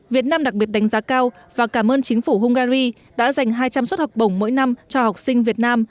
việt nam đặc biệt đánh giá cao và cảm ơn chính phủ hungary đã dành hai trăm linh suất học bổng mỗi năm cho học sinh việt nam